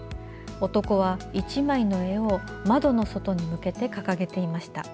男は１枚の絵を窓の外に向けて掲げていました。